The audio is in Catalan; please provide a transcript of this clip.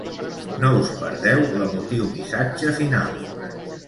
No us perdeu l’emotiu missatge final.